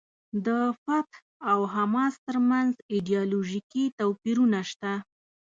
د فتح او حماس ترمنځ ایډیالوژیکي توپیرونه شته.